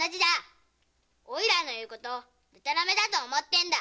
おいらの言うことでたらめだと思ってんだ。